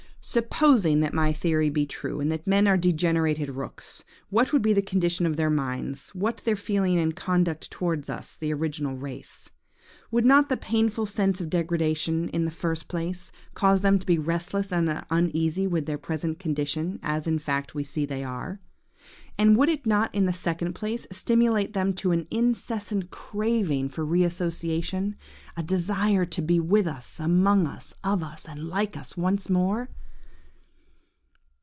Supposing that my theory be true, and that men are degenerated rooks, what would be the condition of their minds, what their feeling and conduct towards us, the original race? Would not the painful sense of degradation, in the first place, cause them to be restless and uneasy with their present condition, as in fact we see they are? And would it not, in the second place, stimulate them to an incessant craving for re association–a desire to be with us, among us, of us, and like us, once more?